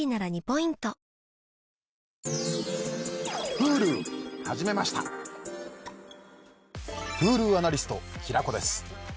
Ｈｕｌｕアナリスト平子です。